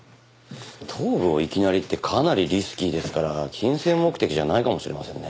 頭部をいきなりってかなりリスキーですから金銭目的じゃないかもしれませんね。